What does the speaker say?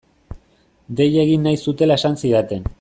Deia egin nahi zutela esan zidaten.